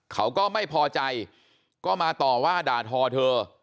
เขาก็ไม่พอใจก็มาต่อว่าด่าทอเธอ